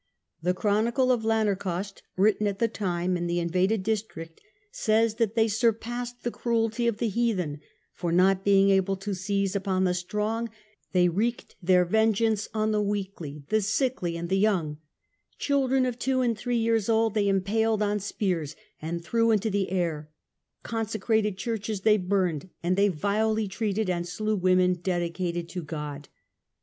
The chronicle of Lanercost, written at the time in the in vaded district, says that they "surpassed the cruelty of the heathen, for, not being able to seize upon the strong, they wreaked their vengeance on the weakly, the sickly, and the young; children of two and three years old they impaled on spears and threw into the air, consecrated churches they burned, and they vilely treated and slew women dedicated to God".